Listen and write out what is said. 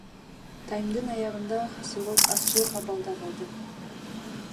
Таймдын аягында Хосилот азчылык абалда калды.